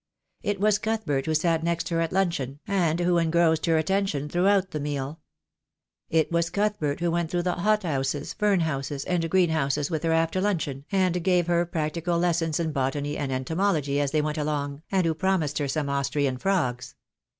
It was Cuthbert who sat next her at luncheon, and who engrossed her attention throughout the meal. It was Cuthbert who went through the hot houses, fern houses, and greenhouses with her after luncheon, and gave her practical lessons in botany and entomology as they went along, and who promised her some Austrian frogs.